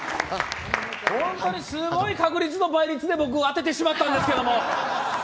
ホントにすごい確率の倍率で僕、当ててしまったんですけど。